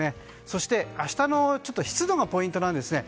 そして、明日の湿度がポイントなんですね。